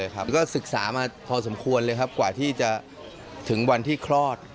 พ่อสำควรเลยครับกว่าที่จะถึงวันที่คลอด